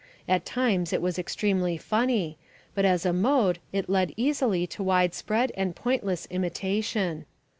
At times it was extremely funny, but as a mode it led easily to widespread and pointless imitation.